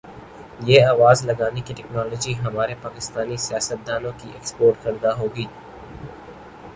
یہ آواز لگانے کی ٹیکنالوجی ہمارے پاکستانی سیاستدا نوں کی ایکسپورٹ کردہ ہوگی